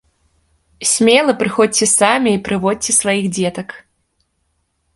Смела прыходзьце самі і прыводзьце сваіх дзетак!